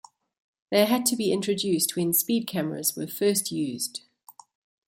They had to be introduced when speed cameras were first used.